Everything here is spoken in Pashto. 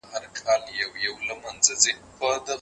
موافقې د همکارۍ نوي لاري پرانیزي.